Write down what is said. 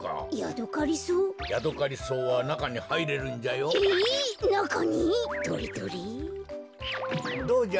どうじゃ？